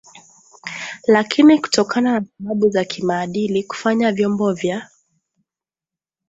lakini kutokana na sababu za kimaadili kufanya vyombo vya